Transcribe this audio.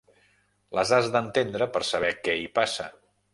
Les has d’entendre per saber què hi passa.